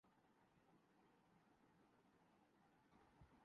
تو ان لمحوں میں بھی امید کا ایک در کھلا رہتا ہے۔